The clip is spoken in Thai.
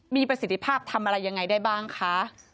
มีประสิทธิภาพทำอะไรยังไงได้บ้างคะ